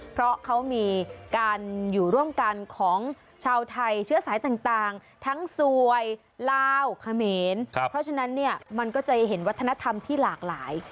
เพราะเขามีการอยู่ร่วมกันของชาวไทยเชื้อสายต่างทั้งสวยลาวเขมรเพราะฉะนั้นเนี่ยมันก็จะเห็นวัฒนธรรมที่หลากหลาย